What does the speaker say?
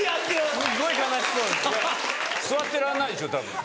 座ってらんないでしょたぶん。